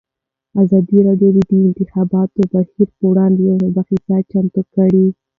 ازادي راډیو د د انتخاباتو بهیر پر وړاندې یوه مباحثه چمتو کړې.